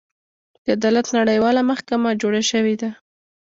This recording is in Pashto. د عدالت نړیواله محکمه جوړه شوې ده.